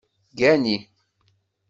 Gani.